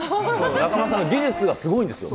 中丸さんの技術がすごいんですよ。